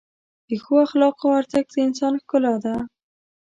د ښو اخلاقو ارزښت د انسان ښکلا ده.